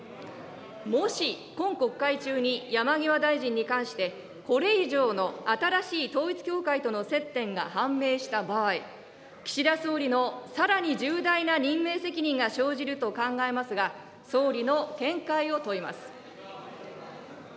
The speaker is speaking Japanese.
もし、今国会中に山際大臣に関して、これ以上の新しい統一教会との接点が判明した場合、岸田総理のさらに重大な任命責任が生じると考えますが、総理の見解を問います。